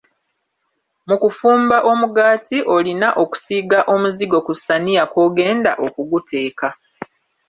Mu kufumba omugaati olina okusiiga omuzigo ku ssaniya kwogenda okuguteeka.